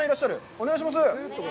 お願いします。